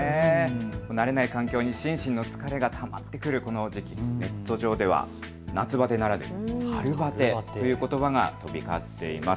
慣れない環境に心身の疲れがたまってくるこの時期、ネット上では夏バテならぬ春バテということばが飛び交っています。